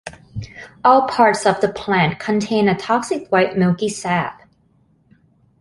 All parts of the plant contain a toxic white milky sap.